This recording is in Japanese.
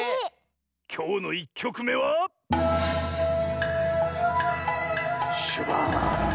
きょうの１きょくめはシュバーン。